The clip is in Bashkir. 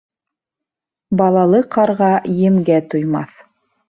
Балалы ҡарға емгә туймаҫ.